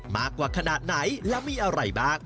มากกว่าขนาดไหนและมีอะไรบ้าง